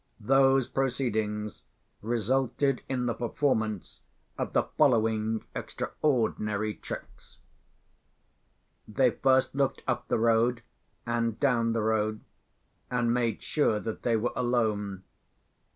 Those proceedings resulted in the performance of the following extraordinary tricks. They first looked up the road, and down the road, and made sure that they were alone.